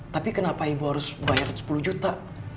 tapi kenapa ibu harus bayar sepuluh juta